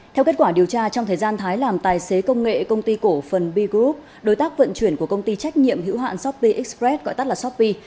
theo kết quả điều tra trong thời gian thái làm tài xế công nghệ công ty cổ phần b group đối tác vận chuyển của công ty trách nhiệm hữu hạn shopee express gọi tắt là shopee